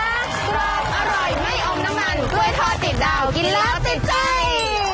กล้วยท่อติดดาวกินแล้วติดใจ